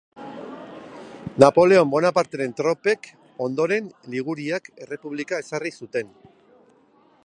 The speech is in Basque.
Napoleon Bonaparteren tropek ondoren Liguriar Errepublika ezarri zuten.